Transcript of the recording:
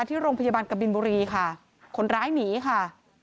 ที่โรงพยาบาลกบินบุรีค่ะคนร้ายหนีค่ะ